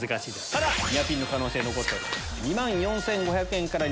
ただニアピンの可能性残ってます。